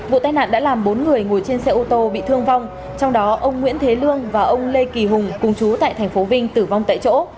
vụ tai nạn đã làm bốn người ngồi trên xe ô tô bị thương vong trong đó ông nguyễn thế lương và ông lê kỳ hùng cùng chú tại tp vinh tử vong tại chỗ